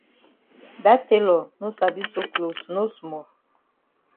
Dat tailor no sabi sew closs no small.